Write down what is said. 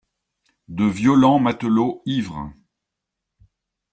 De violents matelots ivres.